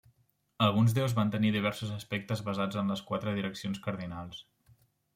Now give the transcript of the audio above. Alguns déus van tenir diversos aspectes basats en les quatre direccions cardinals.